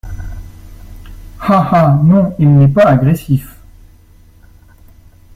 Ah ! ah ! non, il n’est pas agressif !…